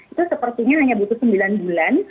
itu sepertinya hanya butuh sembilan bulan